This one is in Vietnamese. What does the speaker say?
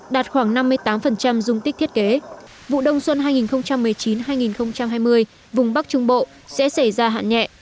đạt khoảng năm mươi tám dung tích thiết kế vụ đông xuân hai nghìn một mươi chín hai nghìn hai mươi vùng bắc trung bộ sẽ xảy ra hạn nhẹ